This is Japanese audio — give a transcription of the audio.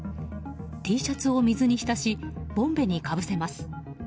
Ｔシャツを水に浸しボンベにかぶせます。